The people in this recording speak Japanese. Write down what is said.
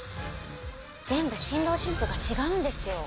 全部新郎新婦が違うんですよ。